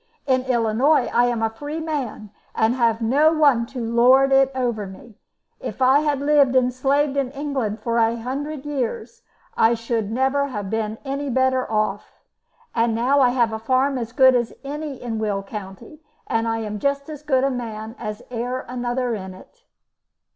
In Illinois I am a free man, and have no one to lord it over me. If I had lived and slaved in England for a hundred years I should never have been any better off, and now I have a farm as good as any in Will County, and am just as good a man as e'er another in it."